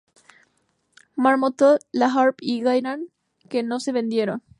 Marmontel, La Harpe y Gaillard, que no se vendieron.